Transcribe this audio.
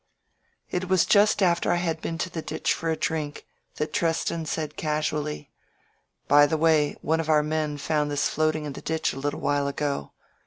... It was just after I had been to the ditch for a drink that Treston said casually: "By the way, one of our men found this floating in the ditch a little while ago.